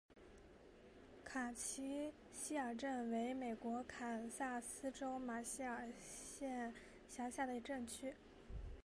卡蒂奇希尔镇区为美国堪萨斯州马歇尔县辖下的镇区。